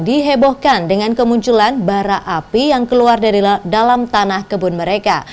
dihebohkan dengan kemunculan bara api yang keluar dari dalam tanah kebun mereka